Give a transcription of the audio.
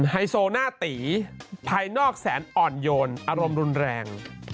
ไฮโซหน้าตีภายนอกแสนอ่อนโยนอารมณ์รุนแรง